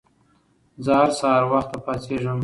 زه هر سهار وخته پاڅيږم